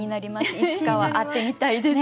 いつかは会ってみたいです。